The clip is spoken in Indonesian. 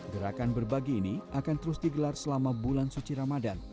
gerakan berbagi ini akan terus digelar selama bulan suci ramadan